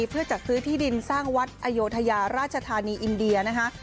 เพื่อจัดซื้อที่ดินสร้างวัดอโยธยาราชธานีอินเดียนะคะ